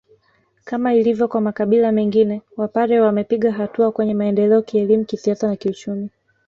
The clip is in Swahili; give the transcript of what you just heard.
Kama ilivyo kwa makabila mengine wapare wamepiga hatua kwenye maendeleo kielimu kisiasa na kichumi